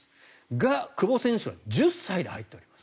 が、久保選手は１０歳で入っております。